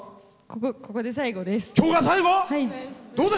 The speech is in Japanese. ここで最後です。